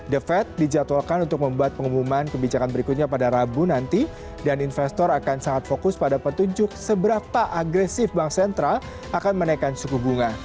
the fed dijadwalkan untuk membuat pengumuman kebijakan berikutnya pada rabu nanti dan investor akan sangat fokus pada petunjuk seberapa agresif bank sentral akan menaikkan suku bunga